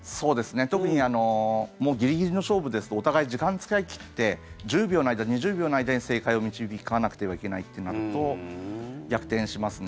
特にもうギリギリの勝負ですとお互い時間使い切って１０秒の間、２０秒の間に正解を導かなくてはいけないとなると逆転しますね。